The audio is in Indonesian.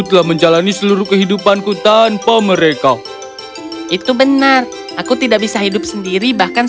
telah menjalani seluruh kehidupanku tanpa mereka itu benar aku tidak bisa hidup sendiri bahkan